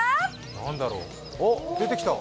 何だろう、あっ、出てきた。